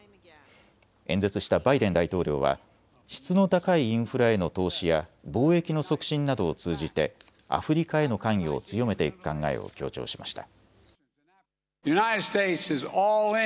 演説したバイデン大統領は質の高いインフラへの投資や貿易の促進などを通じてアフリカへの関与を強めていく考えを強調しました。